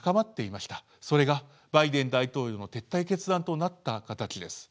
それがバイデン大統領の撤退決断となった形です。